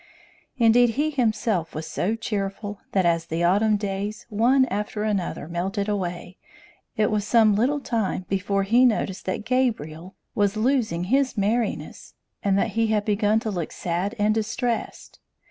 Indeed, he himself was so cheerful, that as the autumn days, one after another, melted away, it was some little time before he noticed that Gabriel was losing his merriness, and that he had begun to look sad and distressed.